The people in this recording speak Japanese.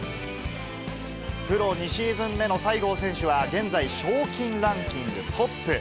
プロ２シーズン目の西郷選手は、現在、賞金ランキングトップ。